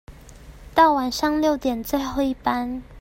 到晚上六點最後一班